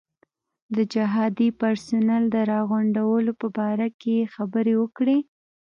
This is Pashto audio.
د جهادي پرسونل د راغونډولو په باره کې یې خبرې وکړې.